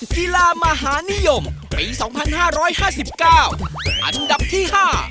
กีฬามหานิยมปี๒๕๕๙อันดับที่๕